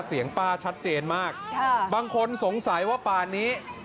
เสียงป้าชัดเจนมากบางคนสงสัยว่าป่านนี้